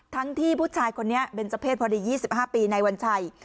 ทั้งที่ผู้ชายคนนี้เบนเจ้าเพศพอดียี่สิบห้าปีในวันชัย